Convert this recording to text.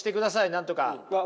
なんとか。